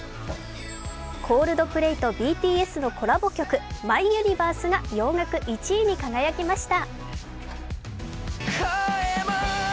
コールドプレイとＢＴＳのコラボ曲、「ＭｙＵｎｉｖｅｒｓｅ」が洋楽１位に輝きました。